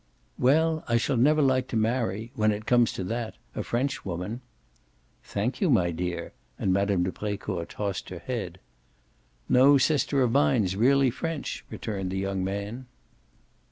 "Well, I shall never like to marry when it comes to that a Frenchwoman." "Thank you, my dear" and Mme. de Brecourt tossed her head. "No sister of mine's really French," returned the young man.